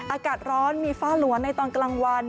อากาศร้อนมีฟ้าหลัวในตอนกลางวัน